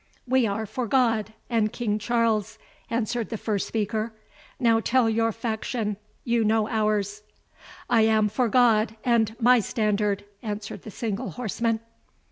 "We are for God and King Charles," answered the first speaker. "Now tell your faction, you know ours." "I am for God and my standard," answered the single horseman.